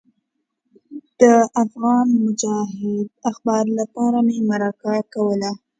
د افغان مجاهد اخبار لپاره مې مرکه کوله.